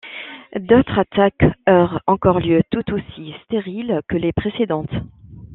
D'autres attaques eurent encore lieu, toutes aussi stériles que les précédentes.